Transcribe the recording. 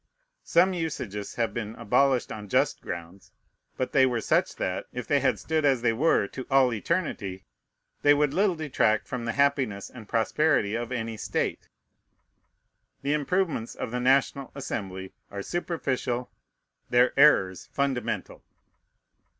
Some usages have been abolished on just grounds; but they were such, that, if they had stood as they were to all eternity, they would little detract from the happiness and prosperity of any state. The improvements of the National Assembly are superficial, their errors fundamental.